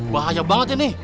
bahaya banget ya nih